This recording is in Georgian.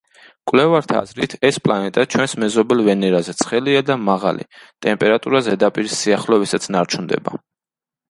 მკვლევართა აზრით, ეს პლანეტა ჩვენს მეზობელ ვენერაზე ცხელია და მაღალი ტემპერატურა ზედაპირის სიახლოვესაც ნარჩუნდება.